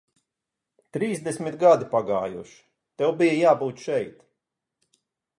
Trīsdesmit gadi pagājuši, tev bija jābūt šeit.